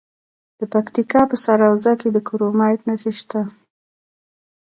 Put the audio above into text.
د پکتیکا په سروضه کې د کرومایټ نښې شته.